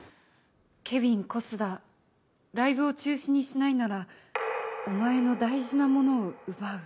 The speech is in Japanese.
「ケビン小須田ライブを中止にしないならお前の大事なものを奪う」